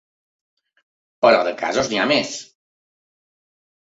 Però de casos n’hi ha més.